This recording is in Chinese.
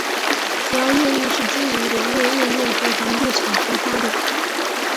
主要业务是经营国内物业和房地产开发的。